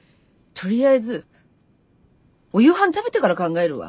とりあえずお夕飯食べてから考えるわ。